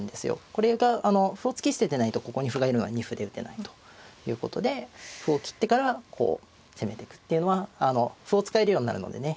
これが歩を突き捨ててないとここに歩がいるのは二歩で打てないということで歩を切ってからこう攻めていくっていうのは歩を使えるようになるのでね